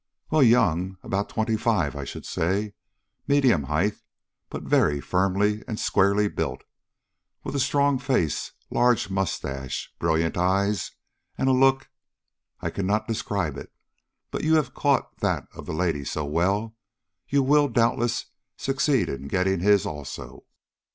"Well, young about twenty five I should say; medium height, but very firmly and squarely built, with a strong face, large mustache, brilliant eyes, and a look I cannot describe it, but you have caught that of the lady so well, you will, doubtless, succeed in getting his also."